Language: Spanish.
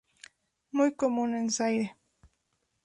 Muy común en Zaire.